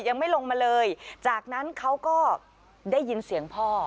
ยังไม่ลงมาเลยจากนั้นเขาก็ได้ยินเสียงพ่อ